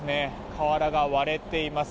瓦が割れています。